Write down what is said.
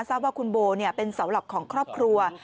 ทราบว่าคุณโบเป็นเสาหลักของครอบครัว